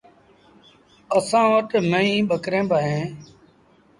اَسآݩ وٽ ميݩوهيݩ ٻڪريݩ با هُݩديٚݩ۔